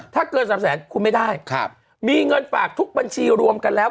ถ้าเกิน๓แสนคุณไม่ได้ครับมีเงินฝากทุกบัญชีรวมกันแล้ว